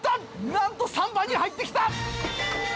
なんと３番に入ってきた！